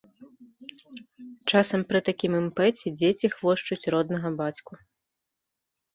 Часам пры такім імпэце дзеці хвошчуць роднага бацьку.